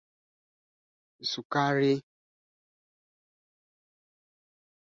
Uganda pia imewashauri raia wake wanaoishi na kufanya kazi nchini Kenya kuchukua tahadhari